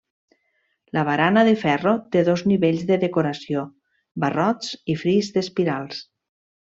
La barana de ferro té dos nivells de decoració, barrots i fris d'espirals.